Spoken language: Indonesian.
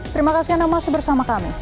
terima kasih anda masih bersama kami